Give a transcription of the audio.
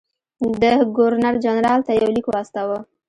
ده ګورنرجنرال ته یو لیک واستاوه.